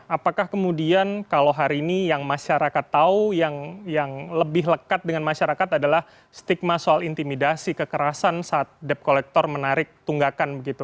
apakah kemudian kalau hari ini yang masyarakat tahu yang lebih lekat dengan masyarakat adalah stigma soal intimidasi kekerasan saat debt collector menarik tunggakan begitu